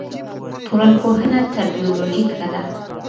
ټولنپوهنه تر بیولوژي کره ده.